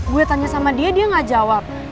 gue tanya sama dia dia gak jawab